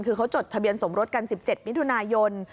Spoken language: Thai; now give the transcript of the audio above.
คือเขาจดทะเบียนสมรสกัน๑๗มิถุนายน